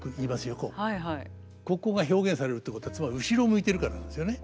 ここが表現されるってことはつまり後ろを向いてるからなんですよね。